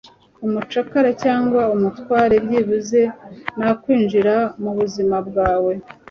Umucakara cyangwa umutware byibuze nakwinjira mubuzima bwawe